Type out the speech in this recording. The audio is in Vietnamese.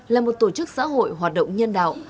là một tổ chức xã hội hoạt động nhân đạo